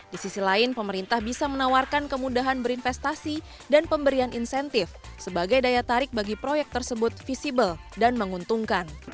di sisi lain pemerintah bisa menawarkan kemudahan berinvestasi dan pemberian insentif sebagai daya tarik bagi proyek tersebut visible dan menguntungkan